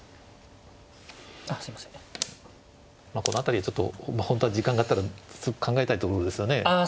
この辺りはちょっと本当は時間があったら考えたいところですよね